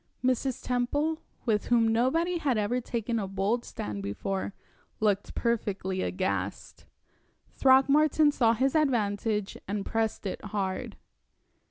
Mrs. Temple, with whom nobody had ever taken a bold stand before, looked perfectly aghast. Throckmorton saw his advantage, and pressed it hard.